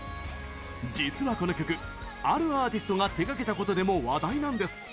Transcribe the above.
実はこの曲、あるア―ティストが手がけたことでも話題なんです。